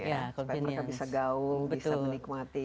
supaya mereka bisa gaung bisa menikmati